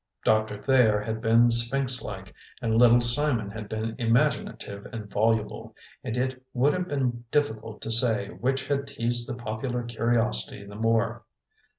Doctor Thayer had been sphinx like, and Little Simon had been imaginative and voluble; and it would have been difficult to say which had teased the popular curiosity the more.